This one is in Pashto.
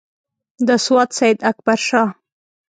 د سوات سیداکبرشاه.